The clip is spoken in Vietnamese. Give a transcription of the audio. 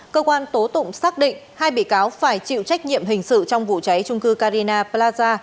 cơ quan tố tụng xác định hai bị cáo phải chịu trách nhiệm hình sự trong vụ cháy trung cư carina plaza